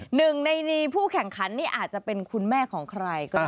หนึ่งในผู้แข่งขันนี่อาจจะเป็นคุณแม่ของใครก็ได้